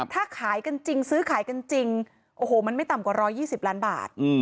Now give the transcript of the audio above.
ถ้าซื้อขายกันจริงมันไม่ต่ำกว่า๑๒๐ล้านบาท